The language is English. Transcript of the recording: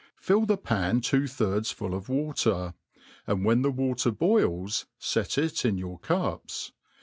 Fill the pan two thirds full of water, and when the water boils, fet it in your cups.